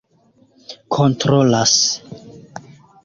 kontrolas